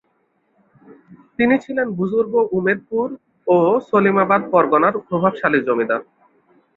তিনি ছিলেন বুযুর্গ উমেদপুর ও সলিমাবাদ পরগনার প্রভাবশালী জমিদার।